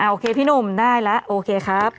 โอเคพี่หนุ่มได้แล้วโอเคครับ